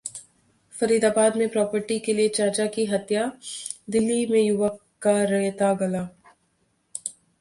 फरीदाबाद में प्रॉपर्टी के लिए चाचा की हत्या, दिल्ली में युवक का रेता गला